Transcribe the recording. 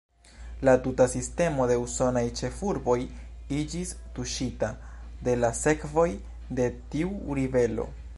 La tuta sistemo de usonaj ĉefurboj iĝis tuŝita de la sekvoj de tiu ribelo.